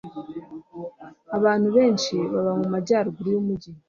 Abantu benshi baba mu majyaruguru yumujyi.